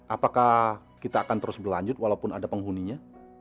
apakah kita akan terus berlanjut walaupun ada penghuninya